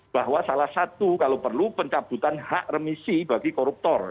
bahwa salah satu kalau perlu pencabutan hak remisi bagi koruptor